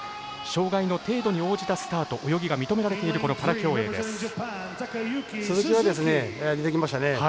障がいの程度に応じたスタート泳ぎが認められている鈴木が出てきましたね。